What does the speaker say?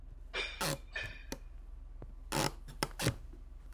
Evropský parlament představuje, v nejlepším případě, demokratické svědomí naší planety.